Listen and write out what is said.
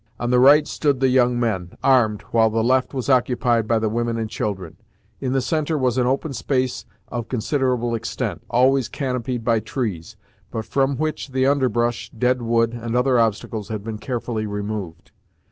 On the right stood the young men, armed, while left was occupied by the women and children. In the centre was an open space of considerable extent, always canopied by trees, but from which the underbrush, dead wood, and other obstacles had been carefully removed.